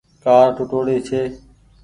ڪآر ٽوُٽوڙي ڇي۔